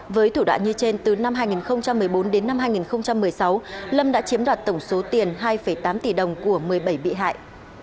với thủ đoạn như trên từ năm hai nghìn một mươi bốn đến năm hai nghìn một mươi sáu lâm đã chiếm đoạt tổng số tiền hai tám tỷ đồng của một mươi bảy bị hại